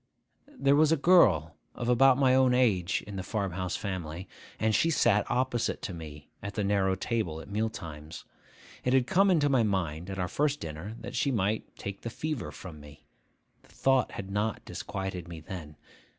There was a girl of about my own age in the farm house family, and she sat opposite to me at the narrow table at meal times. It had come into my mind, at our first dinner, that she might take the fever from me. The thought had not disquieted me then.